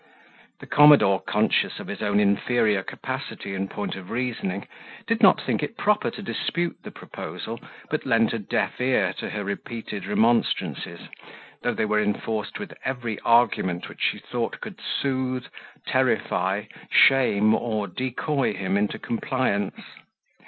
The commodore, conscious of his own inferior capacity in point of reasoning, did not think proper to dispute the proposal but lent a deaf ear to her repeated remonstrances, though they were enforced with every argument which she thought could soothe, terrify, shame or decoy him into compliance.